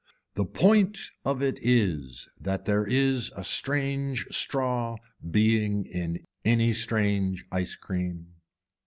The point of it is that there is a strange straw being in any strange ice cream.